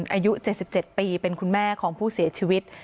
อายุเจ็ดสิบเจ็ดปีเป็นคุณแม่ของผู้เสียชีวิต